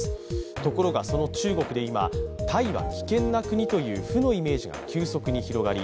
ところが、その中国で今、タイは危険な国という負のイメージが急速に広がり